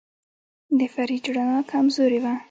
د فریج رڼا کمزورې وه.